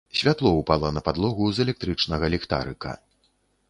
Святло ўпала на падлогу з электрычнага ліхтарыка.